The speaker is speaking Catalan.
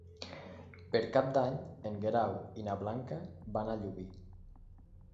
Per Cap d'Any en Guerau i na Blanca van a Llubí.